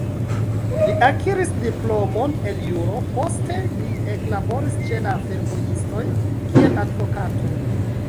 Li akiris diplomon el juro, poste li eklaboris ĉe la fervojistoj kiel advokato.